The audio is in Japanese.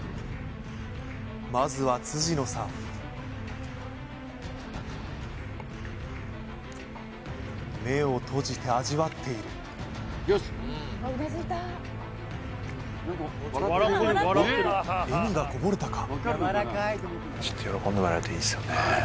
まずは辻野さん目を閉じて味わっている笑みがこぼれたか？